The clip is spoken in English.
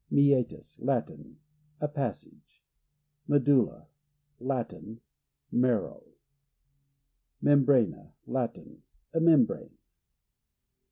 Meatus. — Latin. A passage. Medulla. — Latin. Marrow. Membrana Latin. A membrane.